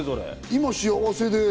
今、幸せで？